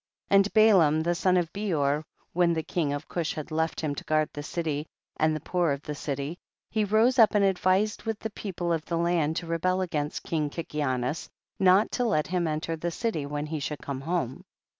6. And Balaam the son of Beor, when the king of Cush had left him to guard the city and the poor of the city, he rose up and advised with the people of the land to rebel against king Kikianus, not to let him enter the city when he should come home.